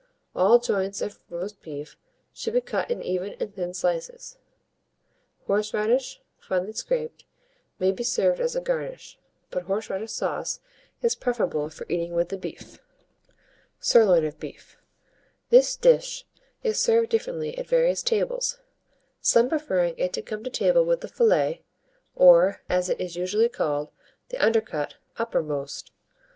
All joints of roast beef should be cut in even and thin slices. Horseradish, finely scraped, may be served as a garnish; but horseradish sauce is preferable for eating with the beef. SIRLOIN OF BEEF. This dish is served differently at various tables, some preferring it to come to table with the fillet, or, as it is usually called, the undercut, uppermost.